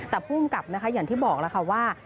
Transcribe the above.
แต่ภูมิกับนะคะอย่างที่บอกแล้วค่ะว่า